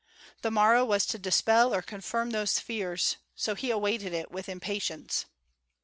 The morrow was to dispel or confirm those fears; so he awaited it with impatience.